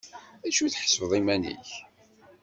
D acu tḥesbeḍ iman-ik?